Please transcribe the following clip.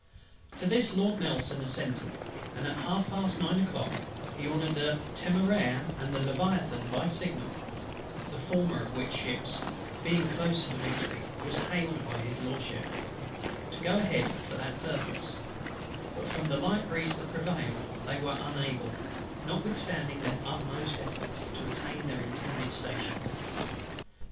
To this Lord NELSON assented, and at half past nine o'clock he ordered the Temeraire and Leviathan by signal (the former of which ships, being close to the Victory, was hailed by His LORDSHIP) to go ahead for that purpose; but from the light breeze that prevailed they were unable, notwithstanding their utmost efforts, to attain their intended stations.